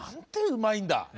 うまいんだ！